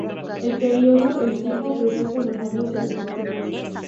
El periódico "El Tiempo" precisó los nombres de las víctimas.